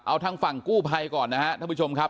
เอาทางฝั่งกู้ภัยก่อนนะครับท่านผู้ชมครับ